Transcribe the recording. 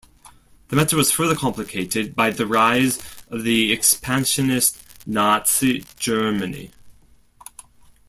The matter was further complicated by the rise of the expansionist Nazi Germany.